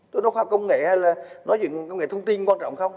tôi nói khoa công nghệ hay là nói chuyện công nghệ thông tin quan trọng không